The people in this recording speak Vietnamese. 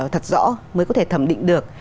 thật rõ mới có thể thẩm định được